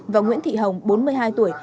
và nguyễn thị hồng bốn mươi hai tuổi